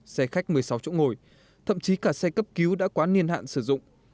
xe khách một mươi sáu chỗ ngồi thậm chí cả xe cấp cứu đã quá niên hạn sử dụng